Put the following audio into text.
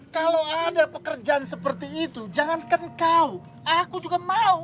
kalau ada pekerjaan seperti itu jangankan kau aku juga mau